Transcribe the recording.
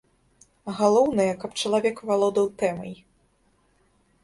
Галоўнае, каб чалавек валодаў тэмай.